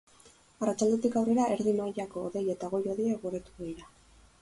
Arratsaldetik aurrera erdi mailako hodei eta goi-hodeiak ugarituko dira.